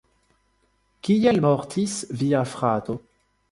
Kiel mortis via frato?